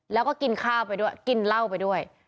แล้วก็กินข้าวไปด้วยกินเหล้าไปด้วย